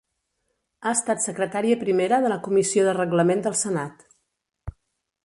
Ha estat secretària primera de la Comissió de Reglament del Senat.